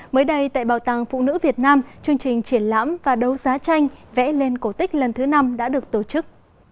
mới đây tại bảo tàng phụ nữ việt nam chương trình triển lãm và đấu giá tranh vẽ lên cổ tích lần thứ năm đã được tổ chức